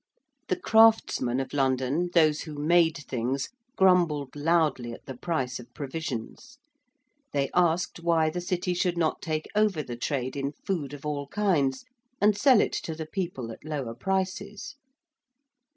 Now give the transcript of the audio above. The craftsmen of London, those who made things, grumbled loudly at the price of provisions. They asked why the City should not take over the trade in food of all kinds and sell it to the people at lower prices.